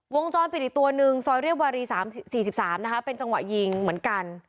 วงจรปิดอีกตัวหนึ่งซอยเรียบวารี๓๔๓นะคะเป็นจังหวะยิงเหมือนกัน